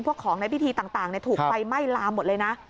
ของในพิธีต่างถูกไฟไหม้ลามหมดเลยนะ